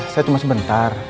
saya cuma sebentar